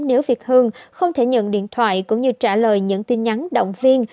nếu việt hương không thể nhận điện thoại cũng như trả lời những tin nhắn động viên